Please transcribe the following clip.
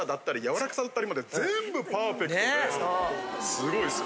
すごいです。